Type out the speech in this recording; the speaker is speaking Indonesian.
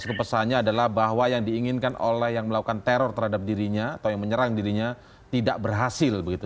itu pesannya adalah bahwa yang diinginkan oleh yang melakukan teror terhadap dirinya atau yang menyerang dirinya tidak berhasil begitu